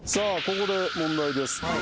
ここで問題です